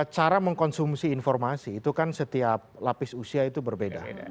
cara mengkonsumsi informasi itu kan setiap lapis usia itu berbeda